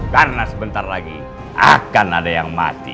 karena sebentar lagi akan ada yang mati